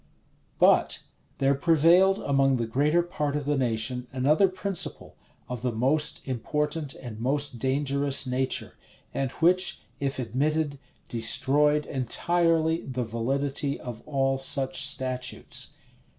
But there prevailed among the greater part of the nation another principle, of the most important and most dangerous nature; and which, if admitted, destroyed entirely the validity of all such statutes.